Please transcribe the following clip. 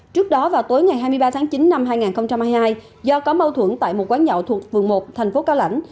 trước đó vào tối ngày hai mươi ba tháng chín năm hai nghìn hai mươi hai do có mâu thuẫn tại một quán nhậu thuộc phường một thành phố cao lãnh